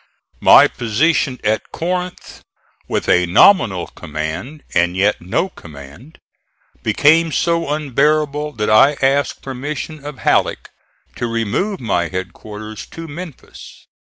My position at Corinth, with a nominal command and yet no command, became so unbearable that I asked permission of Halleck to remove my headquarters to Memphis.